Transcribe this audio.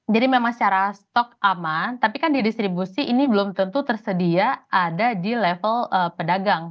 jadi memang secara stok aman tapi kan di distribusi ini belum tentu tersedia ada di level pedagang